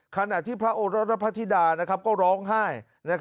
ขณะที่พระโอรสและพระธิดาก็ร้องไห้